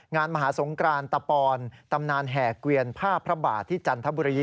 มหาสงกรานตะปอนตำนานแห่เกวียนผ้าพระบาทที่จันทบุรี